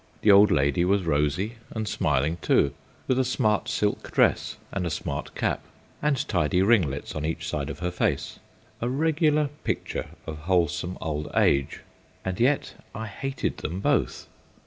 The old lady was rosy and smiling too, with a smart silk dress and a smart cap, and tidy ringlets on each side of her face a regular picture of wholesome old age; and yet I hated them both.